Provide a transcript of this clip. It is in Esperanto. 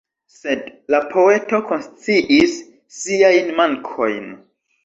Sed la poeto konsciis siajn mankojn.